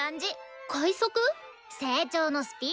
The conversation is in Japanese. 成長のスピードだよ！